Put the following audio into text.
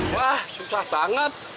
wah susah banget